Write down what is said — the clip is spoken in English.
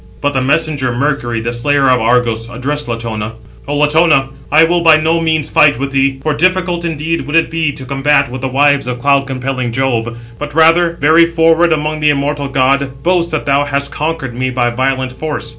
But the messenger [Mercury], the slayer of Argos, addressed Latona: "O Latona, I will by no means fight with thee; for difficult indeed would it be to combat with the wives of cloud compelling Jove; but rather, very forward among the immortal gods, boast that thou hast conquered me by violent force."